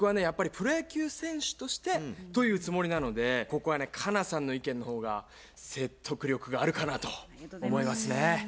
やっぱりプロ野球選手としてというつもりなのでここはね佳奈さんの意見の方が説得力があるかなと思いますね。